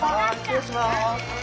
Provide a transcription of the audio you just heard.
失礼します。